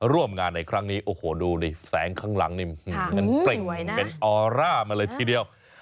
ร่วมงานในครั้งนี้โอ้โหดูดิแสงข้างหลังนี่เป็นออร่ามาเลยทีเดียว